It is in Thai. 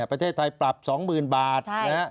ประเทศไทยปรับ๒๐๐๐บาท